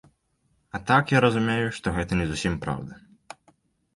А так я разумею, што гэта не зусім праўда.